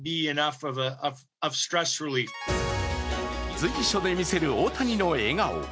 随所で見せる大谷の笑顔。